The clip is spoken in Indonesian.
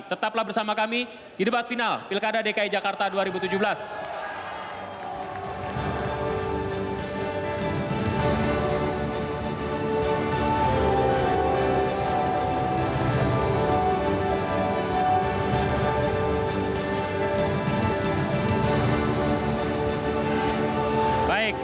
tetaplah bersama kami di debat final pilkada dki jakarta dua ribu tujuh belas